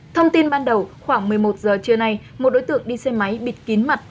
thông tin ban đầu khoảng một mươi một giờ trưa nay một đối tượng đi xe máy bịt kín mặt